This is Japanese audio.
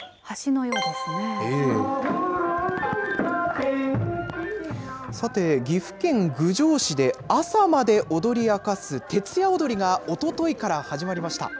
そして岐阜県郡上市で朝まで踊り明かす徹夜おどりがおとといから始まりました。